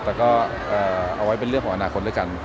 แต่ก็เอาไว้เป็นเรื่องของอนาคตด้วยกัน